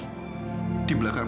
sampai jumpa di video selanjutnya